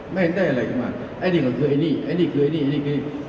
ไม่เห็นได้อะไรขึ้นมาไอ้นี่ก็คือไอ้นี่ไอ้นี่คือไอ้นี่ไอ้นี่คือไอ้นี่